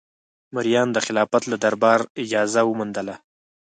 مریانو د خلافت له دربار اجازه وموندله.